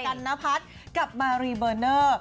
กัลน้าพัดกับมารีเบอร์เนอร์